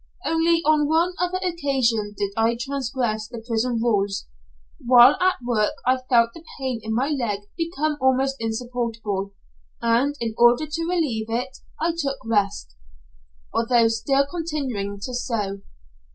Only on one other occasion did I transgress the prison rules: while at work I felt the pain in my leg become almost insupportable, and in order to relieve it I took rest, although still continuing to sew.